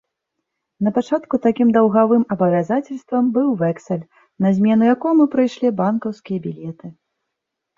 Напачатку такім даўгавым абавязацельствам быў вэксаль, на змену якому прыйшлі банкаўскія білеты.